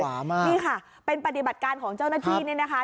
มากนี่ค่ะเป็นปฏิบัติการของเจ้าหน้าที่นี่นะคะ